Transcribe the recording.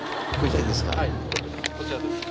こちらですか？